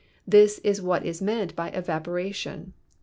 This is what is meant by evaporation.